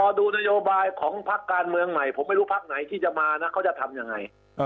ดูนโยบายของพักการเมืองใหม่ผมไม่รู้พักไหนที่จะมานะเขาจะทำยังไง